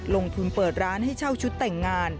ลงทุนเปิดร้านให้เช่าชุดแต่งงาน